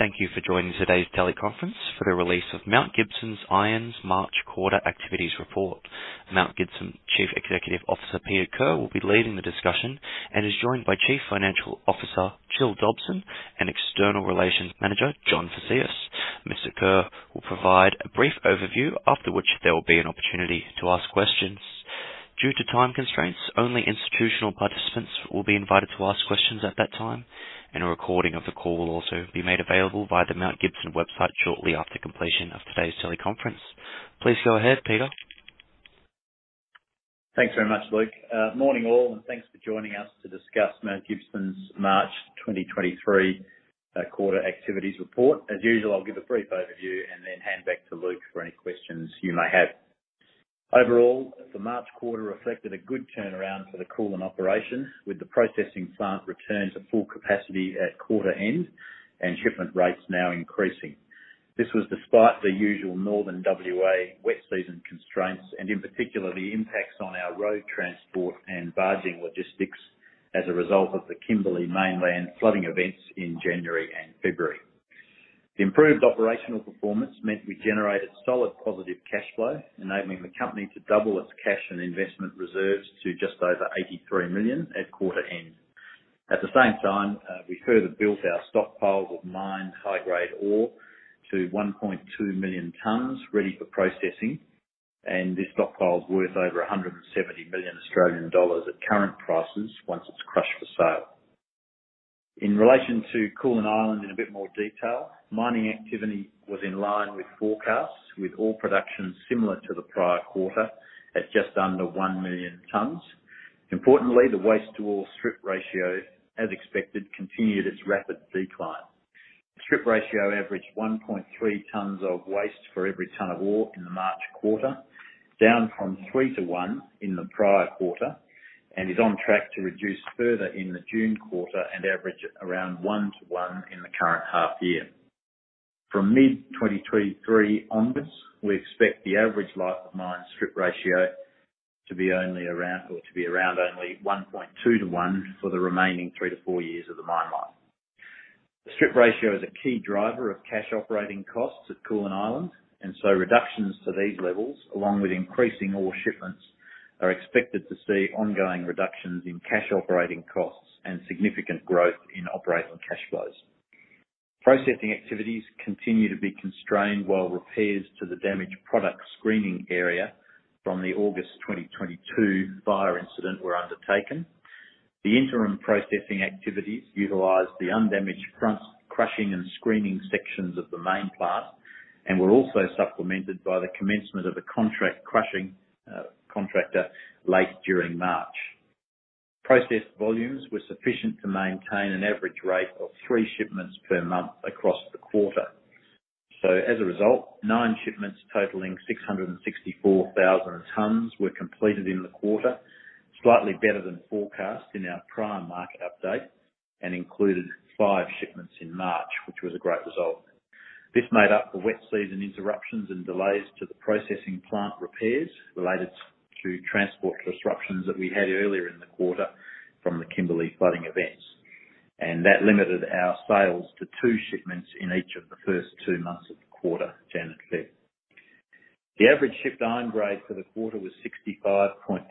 Thank you for joining today's teleconference for the release of Mount Gibson Iron's March quarter activities report. Mount Gibson Chief Executive Officer, Peter Kerr, will be leading the discussion and is joined by Chief Financial Officer, Gillian Dobson, and External Relations Manager, John Forwood. Mr. Kerr will provide a brief overview, after which there will be an opportunity to ask questions. Due to time constraints, only institutional participants will be invited to ask questions at that time, and a recording of the call will also be made available via the Mount Gibson website shortly after completion of today's teleconference. Please go ahead, Peter. Thanks very much, Luke. Morning, all, and thanks for joining us to discuss Mount Gibson's March 2023 quarter activities report. As usual, I'll give a brief overview and then hand back to Luke for any questions you may have. Overall, the March quarter reflected a good turnaround for the Koolan operation, with the processing plant return to full capacity at quarter end and shipment rates now increasing. This was despite the usual northern WA wet season constraints and, in particular, the impacts on our road transport and barging logistics as a result of the Kimberley mainland flooding events in January and February. The improved operational performance meant we generated solid positive cash flow, enabling the company to double its cash and investment reserves to just over 83 million at quarter end. At the same time, we further built our stockpiles of mined high-grade ore to 1.2 million tons ready for processing. This stockpile's worth over 170 million Australian dollars at current prices once it's crushed for sale. In relation to Koolan Island in a bit more detail, mining activity was in line with forecasts, with ore production similar to the prior quarter at just under 1 million tons. Importantly, the waste to ore strip ratio, as expected, continued its rapid decline. The strip ratio averaged 1.3 tons of waste for every ton of ore in the March quarter, down from 3-to-1 in the prior quarter. It's on track to reduce further in the June quarter and average at around 1-to-1 in the current half year. From mid-2023 onwards, we expect the average life of mine strip ratio to be around only 1.2- to-1 for the remaining three to four years of the mine life. The strip ratio is a key driver of cash operating costs at Koolan Island. Reductions to these levels, along with increasing ore shipments, are expected to see ongoing reductions in cash operating costs and significant growth in operating cash flows. Processing activities continue to be constrained while repairs to the damaged product screening area from the August 2022 fire incident were undertaken. The interim processing activities utilized the undamaged front crushing and screening sections of the main plant and were also supplemented by the commencement of a contract crushing contractor late during March. Processed volumes were sufficient to maintain an average rate of three shipments per month across the quarter. As a result, nine shipments totaling 664,000 tons were completed in the quarter. Slightly better than forecast in our prior market update and included five shipments in March, which was a great result. This made up for wet season interruptions and delays to the processing plant repairs related to transport disruptions that we had earlier in the quarter from the Kimberley flooding events. That limited our sales to two shipments in each of the first two months of the quarter, January and February. The average shipped iron grade for the quarter was 65.3%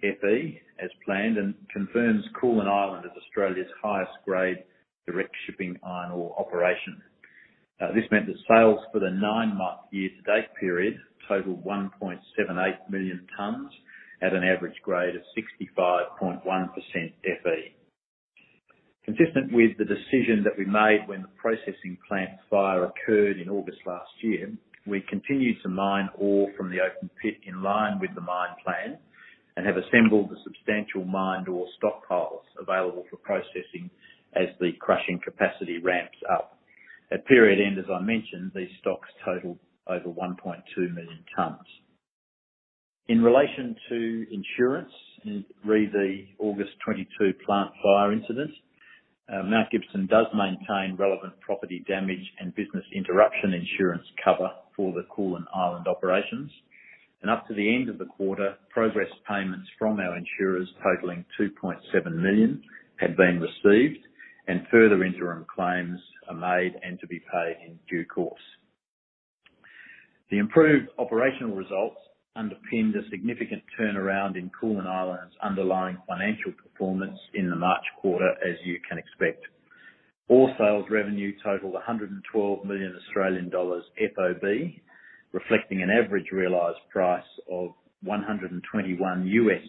Fe as planned and confirms Koolan Island as Australia's highest grade direct shipping iron ore operation. This meant that sales for the nine-month year-to-date period totaled 1.78 million tons at an average grade of 65.1% Fe. Consistent with the decision that we made when the processing plant fire occurred in August last year, we continued to mine ore from the open pit in line with the mine plan and have assembled the substantial mined ore stockpiles available for processing as the crushing capacity ramps up. At period end, as I mentioned, these stocks totaled over 1.2 million tons. In relation to insurance, in re the August 2022 plant fire incident, Mount Gibson does maintain relevant property damage and business interruption insurance cover for the Koolan Island operations. Up to the end of the quarter, progress payments from our insurers totaling 2.7 million had been received and further interim claims are made and to be paid in due course. The improved operational results underpinned a significant turnaround in Koolan Island's underlying financial performance in the March quarter, as you can expect. Ore sales revenue totaled 112 million Australian dollars FOB, reflecting an average realized price of $121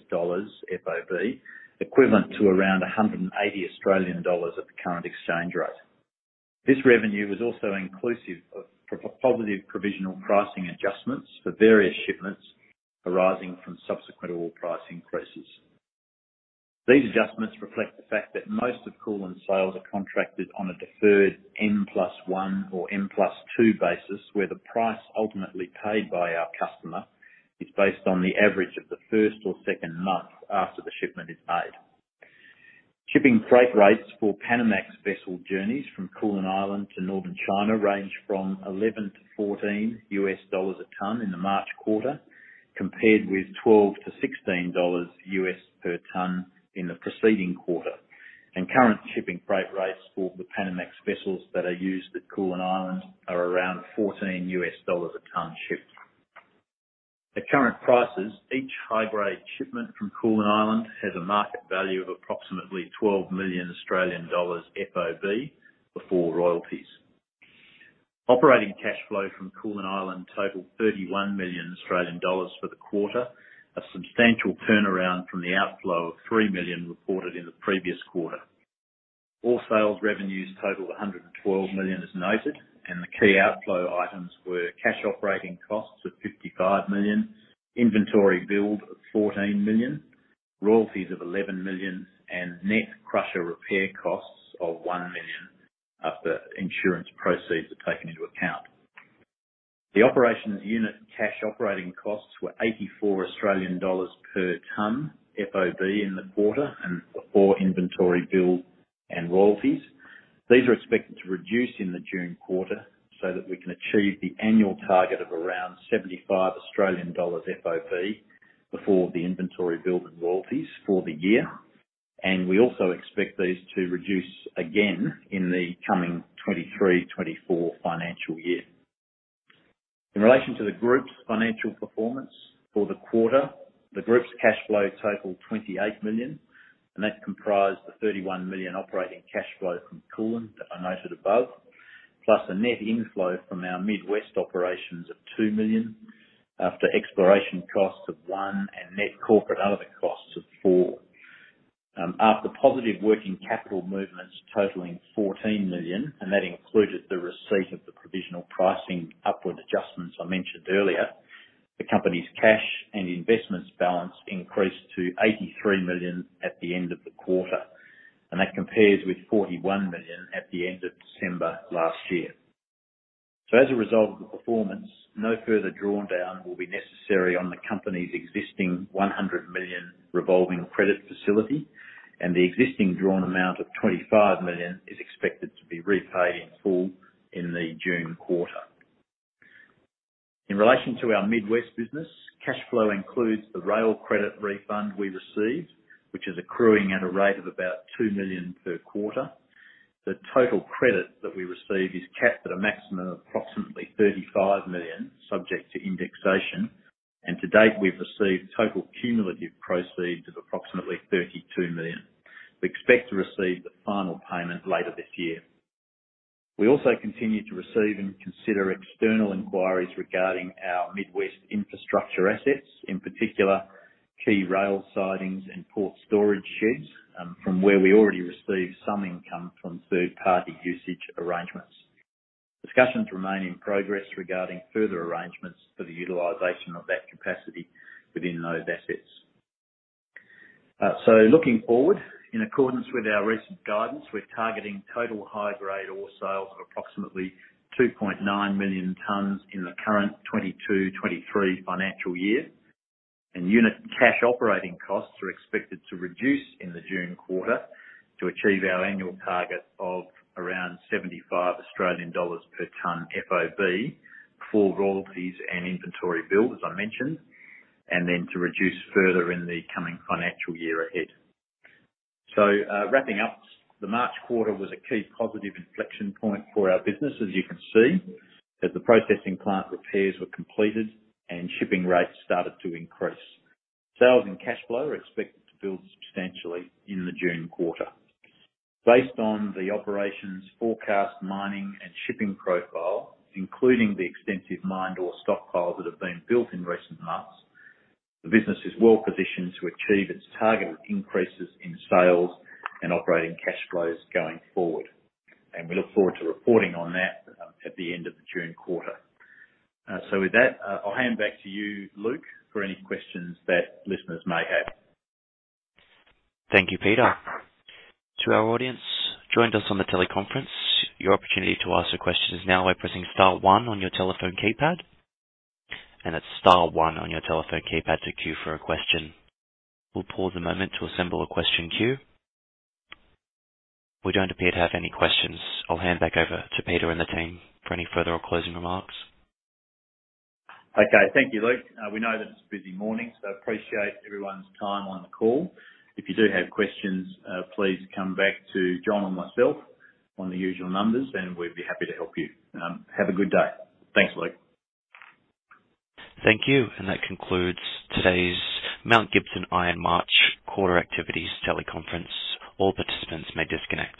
FOB, equivalent to around 180 Australian dollars at the current exchange rate. This revenue is also inclusive of provisional pricing adjustments for various shipments arising from subsequent ore price increases. These adjustments reflect the fact that most of Koolan's sales are contracted on a deferred N+1 or N+2 basis, where the price ultimately paid by our customer is based on the average of the first or second month after the shipment is made. Shipping freight rates for Panamax vessel journeys from Koolan Island to Northern China range from $11-$14 a ton in the March quarter, compared with $12-$16 per ton in the preceding quarter. Current shipping freight rates for the Panamax vessels that are used at Koolan Island are around $14 a ton shipped. At current prices, each high-grade shipment from Koolan Island has a market value of approximately 12 million Australian dollars FOB before royalties. Operating cash flow from Koolan Island totaled 31 million Australian dollars for the quarter, a substantial turnaround from the outflow of 3 million reported in the previous quarter. All sales revenues totaled 112 million, as noted, and the key outflow items were cash operating costs of 55 million, inventory build of 14 million, royalties of 11 million, and net crusher repair costs of 1 million after insurance proceeds are taken into account. The operations unit cash operating costs were 84 Australian dollars per tonne FOB in the quarter and before inventory build and royalties. These are expected to reduce in the June quarter so that we can achieve the annual target of around 75 Australian dollars FOB before the inventory build and royalties for the year. We also expect these to reduce again in the coming 2023/2024 financial year. In relation to the group's financial performance for the quarter, the group's cash flow totaled 28 million, and that comprised the 31 million operating cash flow from Koolan that I noted above, plus a net inflow from our Midwest operations of 2 million after exploration costs of 1 million and net corporate overhead costs of 4 million. After positive working capital movements totaling 14 million, and that included the receipt of the provisional pricing upward adjustments I mentioned earlier. The company's cash and investments balance increased to 83 million at the end of the quarter, and that compares with 41 million at the end of December last year. As a result of the performance, no further drawn down will be necessary on the company's existing 100 million revolving credit facility. The existing drawn amount of 25 million is expected to be repaid in full in the June quarter. In relation to our Midwest business, cash flow includes the rail credit refund we received, which is accruing at a rate of about 2 million per quarter. The total credit that we received is capped at a maximum of approximately 35 million, subject to indexation. To date, we've received total cumulative proceeds of approximately 32 million. We expect to receive the final payment later this year. We also continue to receive and consider external inquiries regarding our Midwest infrastructure assets, in particular, key rail sidings and port storage sheds, from where we already receive some income from third-party usage arrangements. Discussions remain in progress regarding further arrangements for the utilization of that capacity within those assets. Looking forward, in accordance with our recent guidance, we're targeting total high-grade ore sales of approximately 2.9 million tons in the current 2022/2023 financial year. Unit cash operating costs are expected to reduce in the June quarter to achieve our annual target of around 75 Australian dollars per tonne FOB for royalties and inventory build, as I mentioned, and then to reduce further in the coming financial year ahead. Wrapping up, the March quarter was a key positive inflection point for our business, as you can see, as the processing plant repairs were completed and shipping rates started to increase. Sales and cash flow are expected to build substantially in the June quarter. Based on the operations forecast, mining and shipping profile, including the extensive mined ore stockpiles that have been built in recent months, the business is well-positioned to achieve its targeted increases in sales and operating cash flows going forward. We look forward to reporting on that at the end of the June quarter. With that, I'll hand back to you, Luke, for any questions that listeners may have. Thank you, Peter. To our audience, joined us on the teleconference, your opportunity to ask a question is now by pressing star one on your telephone keypad. It's star one on your telephone keypad to queue for a question. We'll pause a moment to assemble a question queue. We don't appear to have any questions. I'll hand back over to Peter and the team for any further or closing remarks. Okay. Thank you, Luke. We know that it's a busy morning, so appreciate everyone's time on the call. If you do have questions, please come back to John or myself on the usual numbers, and we'd be happy to help you. Have a good day. Thanks, Luke. Thank you. That concludes today's Mount Gibson Iron March Quarter Activities teleconference. All participants may disconnect.